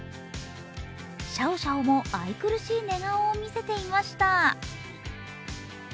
シャオシャオも愛くるしい寝顔を見せていました。